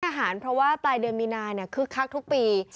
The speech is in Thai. หารเพราะว่าปลายเดือนมีนาคึกคักทุกปี